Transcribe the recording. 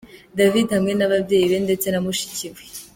David hamwe n'ababyeyi be ndetse na mushiki we.